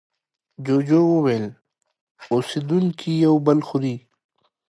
جوجو وویل اوسېدونکي یو بل خوري.